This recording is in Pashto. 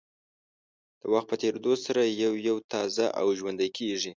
د وخت په تېرېدو سره یو یو تازه او ژوندۍ کېږي.